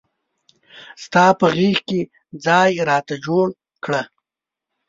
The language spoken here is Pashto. ستا په غیږ کې ځای راته جوړ کړه.